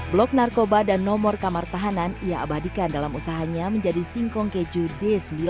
blok narkoba dan nomor kamar tahanan ia abadikan dalam usahanya menjadi singkong keju d sembilan puluh